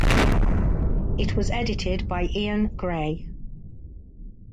It was edited by Ian Gray.